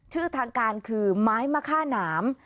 ชื่อทางการคือไม้มะค่าหนาม